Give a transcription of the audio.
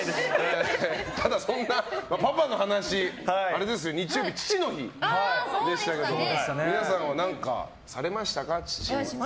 まだ、パパの話日曜日は父の日でしたが皆さんは、何かされましたか？